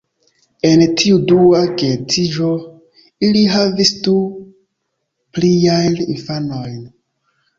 En tiu dua geedziĝo, ili havis du pliajn infanojn.